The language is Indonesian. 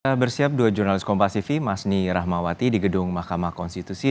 kita bersiap dua jurnalis kompasifi masni rahmawati di gedung mahkamah konstitusi